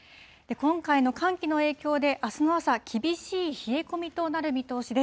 今回の寒気の影響で、あすの朝、厳しい冷え込みとなる見通しです。